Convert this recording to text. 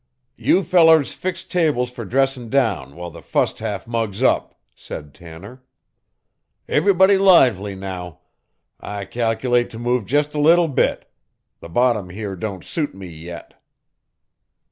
"You fellers fix tables fer dressin' down while the fust half mugs up," said Tanner. "Everybody lively now. I cal'late to move just a little bit. The bottom here don't suit me yet."